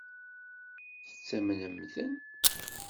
Tettamnem-ten?